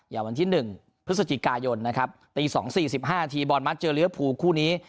อย่างวันที่๑พฤศจิกายนนะครับตี๒๔๕นบอลมัสเจอเลื้อผูกคู่นี้